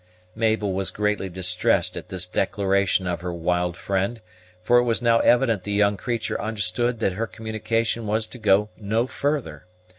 Mabel was greatly distressed at this declaration of her wild friend, for it was now evident the young creature understood that her communication was to go no further.